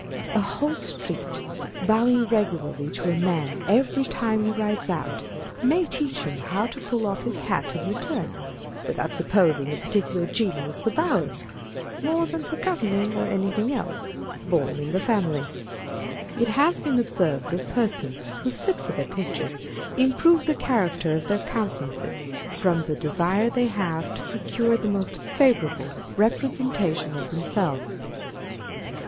A whole street bowing regu larly to a man every time he rides out, may teach him how to pull off his hat in return, without supposing a particular genius for bowing (more than for governing, or anything else) born in the family. It has been observed that persons who sit for their pictures improve the character of their countenances, from the desire they have to procure the most favourable representation of them On the Look of a Gentleman. 303 selves.